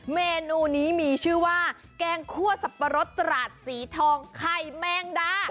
เมนูนี้มีชื่อว่าแกงคั่วสับปะรดตราดสีทองไข่แมงดา